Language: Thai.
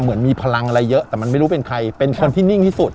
เหมือนมีพลังอะไรเยอะแต่มันไม่รู้เป็นใครเป็นคนที่นิ่งที่สุด